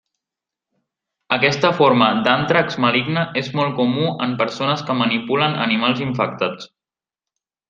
Aquesta forma d'àntrax maligne és molt comú en persones que manipulen animals infectats.